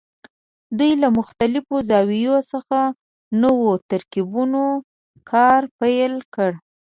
دوی له مختلفو زاویو څخه نوو ترکیبونو کار پیل کړ.